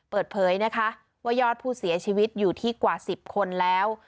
เปิดเผยนะคะว่ายอดผู้เสียชีวิตอยู่ที่กว่า๑๐คนแล้ว